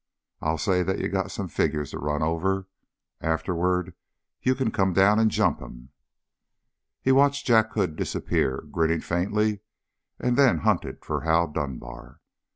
I'll say that you got some figures to run over. Afterward, you can come down and jump him!" He watched Jack Hood disappear, grinning faintly, and then hunted for Hal Dunbar.